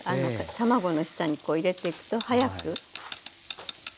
卵の下にこう入れていくと早くできますので。